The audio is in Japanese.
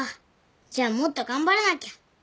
じゃあもっと頑張らなきゃ。